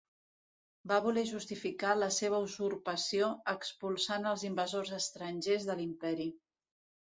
Va voler justificar la seva usurpació expulsant els invasors estrangers de l'imperi.